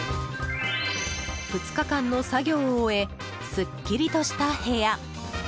２日間の作業を終えすっきりとした部屋。